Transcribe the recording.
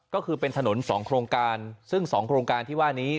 ก็คือเป็นถนน๒โครงการซึ่ง๒โครงการที่ว่านี้